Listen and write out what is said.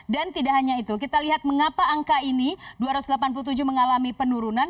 dan tidak hanya itu kita lihat mengapa angka ini dua ratus delapan puluh tujuh mengalami penurunan